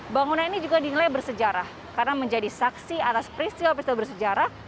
bangunan ini juga dinilai bersejarah karena menjadi saksi atas peristiwa peristiwa bersejarah